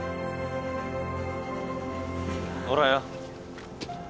おらよ。